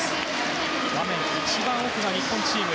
画面一番奥が日本チーム。